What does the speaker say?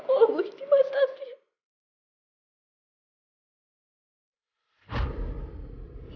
kalau gue cipat tadi